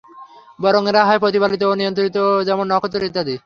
বরং এরা হয় প্রতিপালিত ও নিয়ন্ত্রিত যেমন নক্ষত্র ইত্যাদি।